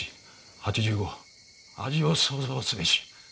「８５味を想像すべし」。